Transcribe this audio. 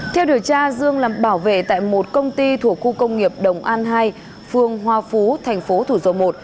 theo điều tra dương làm bảo vệ tại một công ty thuộc khu công nghiệp đồng an hai phường hoa phú thành phố thủ dầu một